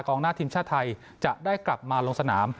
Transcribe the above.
หน้าทีมชาติไทยจะได้กลับมาลงสนาม